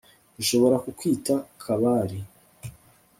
Nshobora kukwita kabari